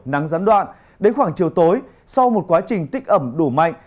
nắng gián đoạn đến khoảng chiều tối sau một quá trình tích ẩm đủ mạnh